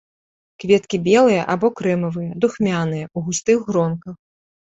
Кветкі белыя або крэмавыя, духмяныя, у густых гронках.